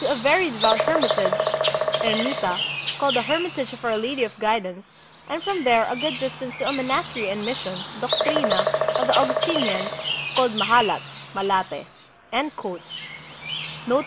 a very devout hermitage (Ermita), called the Hermitage of Our Lady of Guidance, and from there a good distance to a monastery and mission (doctrina) of the Augustin ians, called Mahalat (Malate)."